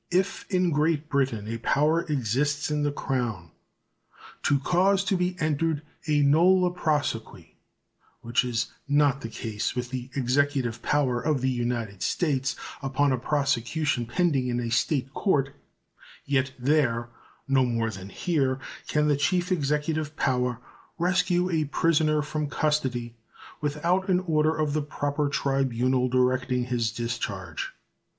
If in Great Britain a power exists in the Crown to cause to be entered a nolle prosequi, which is not the case with the Executive power of the United States upon a prosecution pending in a State court, yet there no more than here can the chief executive power rescue a prisoner from custody without an order of the proper tribunal directing his discharge.